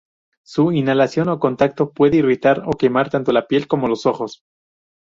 Su inhalación o contacto puede irritar o quemar tanto la piel como los ojos.